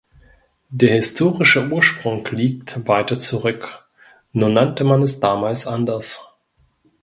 Der historische Ursprung liegt weiter zurück, nur nannte man es damals anders.